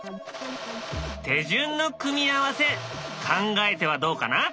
手順の組み合わせ考えてはどうかな？